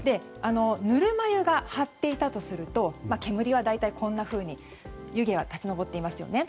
ぬるま湯が張っていたとすると煙は大体、こんなふうに湯気が立ち上っていますね。